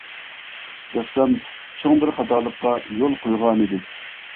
رەسسام چوڭ بىر خاتالىققا يول قويغانىدى.